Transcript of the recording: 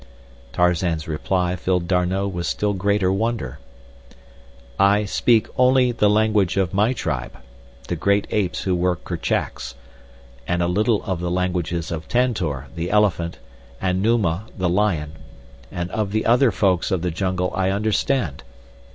Tarzan's reply filled D'Arnot with still greater wonder: I speak only the language of my tribe—the great apes who were Kerchak's; and a little of the languages of Tantor, the elephant, and Numa, the lion, and of the other folks of the jungle I understand.